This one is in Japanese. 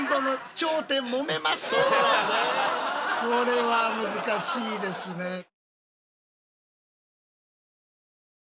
これは難しいですね。